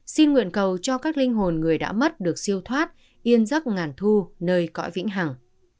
xin nguyện cầu cho các linh hồn người đã mất được siêu thoát yên giấc ngàn thu nơi cõi vĩnh hằng